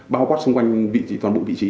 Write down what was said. bao quát xung quanh toàn bộ vị trí